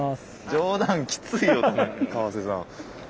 冗談きついよ川瀬さん。